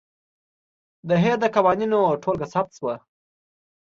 د هیر د قوانینو ټولګه ثبت شوه.